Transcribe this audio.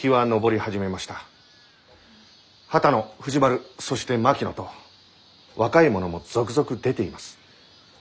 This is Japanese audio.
波多野藤丸そして槙野と若い者も続々出ています。